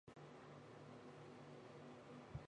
司职中坚。